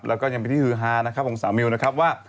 แล้วก็ยังเป็นที่ฮือฮานะครับของสาวมิวนะครับว่า